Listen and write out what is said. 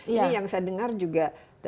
ini yang saya dengar juga